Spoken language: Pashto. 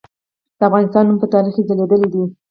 د افغانستان نوم په تاریخ کې ځلیدلی دی.